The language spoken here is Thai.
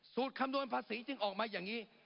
คำนวณภาษีจึงออกมาอย่างนี้